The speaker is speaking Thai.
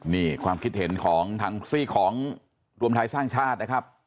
นี่ความคิดเห็นของทางซี่ของรวมไทยสร้างชาตินะครับ